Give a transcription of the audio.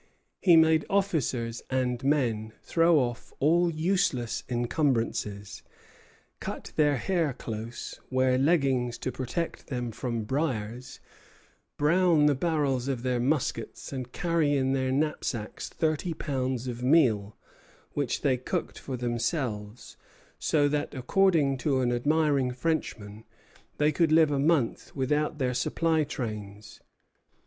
He made officers and men throw off all useless incumbrances, cut their hair close, wear leggings to protect them from briers, brown the barrels of their muskets, and carry in their knapsacks thirty pounds of meal, which they cooked for themselves; so that, according to an admiring Frenchman, they could live a month without their supply trains.